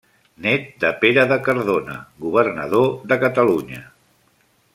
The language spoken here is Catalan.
Nét de Pere de Cardona, governador de Catalunya.